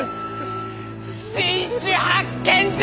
新種発見じゃ！